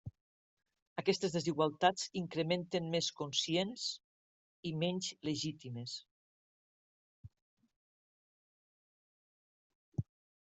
Aquestes desigualtats incrementen més conscients i menys legítimes.